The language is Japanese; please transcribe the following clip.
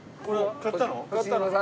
買ったの。